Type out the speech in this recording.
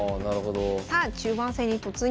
さあ中盤戦に突入です。